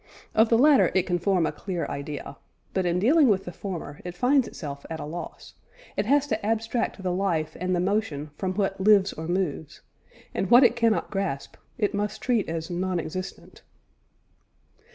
Of the latter it can form a clear idea; but in dealing with the former, it finds itself at a loss; it has to abstract the life and the motion from what lives or moves, and what it cannot grasp, it must treat as non existent.